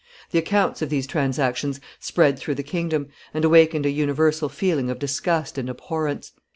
The accounts of these transactions spread through the kingdom, and awakened a universal feeling of disgust and abhorrence.